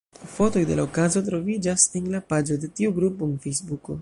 Fotoj de la okazo troviĝas en la paĝo de tiu grupo en Fejsbuko.